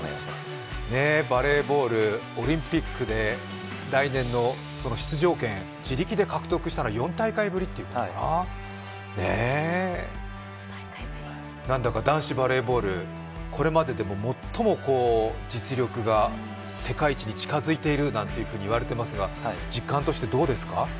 バレーボール、オリンピックで来年の出場権自力で獲得したのは４大会ぶりということで、何だか男子バレーボール、これまででも最も実力が世界一に近づいているなんて言われていますが実感としてどうですか？